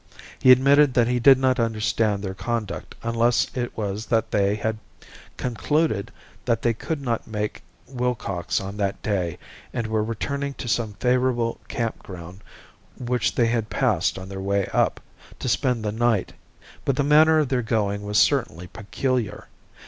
He admitted that he did not understand their conduct unless it was that they had concluded that they could not make Willcox on that day and were returning to some favorable camp ground which they had passed on their way up, to spend the night; but the manner of their going was certainly peculiar.